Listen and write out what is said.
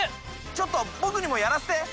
ちょっと僕にもやらせて！